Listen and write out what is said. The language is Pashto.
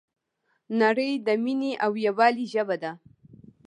نړۍ د مینې او یووالي ژبه ده.